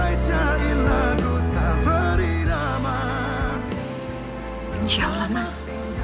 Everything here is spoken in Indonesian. insya allah mas